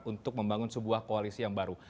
untuk membangun sebuah koalisi yang baru